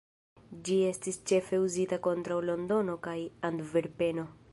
Ĝi estis ĉefe uzita kontraŭ Londono kaj Antverpeno.